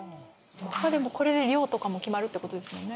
これで量とかも決まるってことですよね